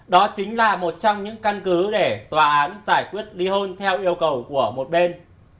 đó chính là một trong những căn cứ để tòa án giải quyết li hôn theo yêu cầu của một bên